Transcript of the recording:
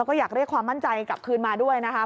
แล้วก็อยากได้ความมั่นใจกลับคืนมาด้วยนะครับ